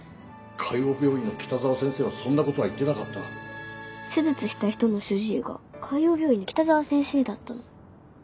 海王病院の北澤先生はそんなことは言って手術した人の主治医が海王病院の北澤先生だったの。